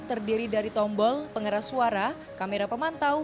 terdiri dari tombol pengeras suara kamera pemantau